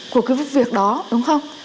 của cái việc đó đúng không